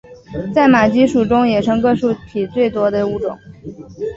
在马鸡属中个野生个体数最多的物种。